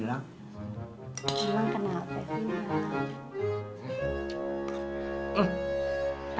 hilang kenapa sih ya